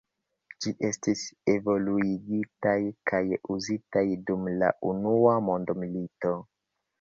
Ĝi estis evoluigitaj kaj uzitaj dum la unua mondmilito.